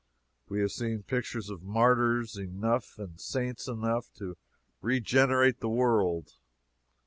We have seen pictures of martyrs enough, and saints enough, to regenerate the world.